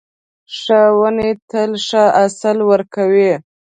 ښې ونې تل ښه حاصل ورکوي .